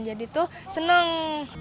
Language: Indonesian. jadi tuh seneng